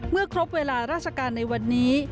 เมื่อครบเวลาราชการในวันนี้